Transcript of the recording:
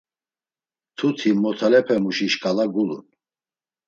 Mtuti motalepemuşi şkala gulun.